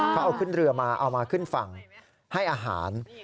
เขาเอาขึ้นเรือมาเอามาขึ้นฝั่งให้อาหาร